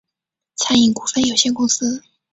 餐饮股份有限公司